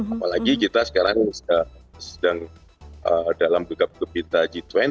apalagi kita sekarang sedang dalam kegab kegab kita g dua puluh